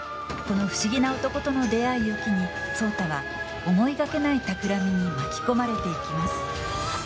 この不思議な男との出会いを機に壮多は、思いがけないたくらみに巻き込まれていきます。